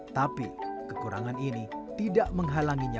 tapi kekurangan ini tidak menghalanginya